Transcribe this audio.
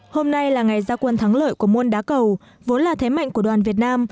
hôm nay là ngày gia quân thắng lợi của môn đá cầu vốn là thế mạnh của đoàn việt nam